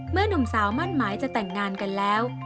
หนุ่มสาวมั่นหมายจะแต่งงานกันแล้ว